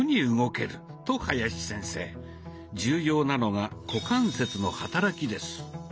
重要なのが股関節の働きです。